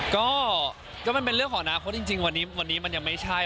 ก็มันเป็นเรื่องของอนาคตจริงวันนี้มันยังไม่ใช่